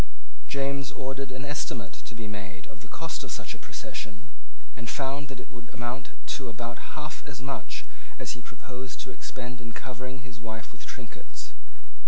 James ordered an estimate to be made of the cost of such a procession, and found that it would amount to about half as much as he proposed to expend in covering his wife with trinkets.